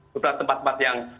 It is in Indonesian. beberapa tempat tempat yang